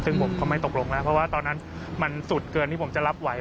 ซึ่งผมก็ไม่ตกลงแล้วเพราะว่าตอนนั้นมันสุดเกินที่ผมจะรับไหว